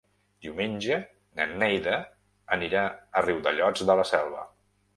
Diumenge na Neida anirà a Riudellots de la Selva.